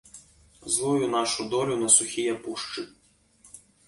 Злую нашу долю на сухія пушчы.